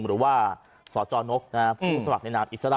หรือว่าสจนกผู้สมัครในนามอิสระ